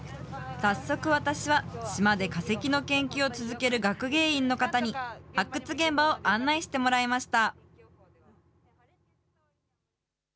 早速、私は島で化石の研究を続ける学芸員の方に、発掘現場を案内してもらいました。